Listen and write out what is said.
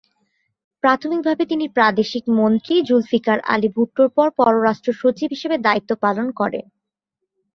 প্রাথমিকভাবে তিনি প্রাদেশিক মন্ত্রী জুলফিকার আলী ভুট্টোর পর পররাষ্ট্র সচিব হিসেবে দায়িত্ব পালন করেন।